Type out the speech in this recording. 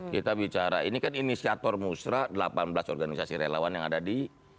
kita bicara ini kan inisiator musrah delapan belas organisasi relawan yang ada di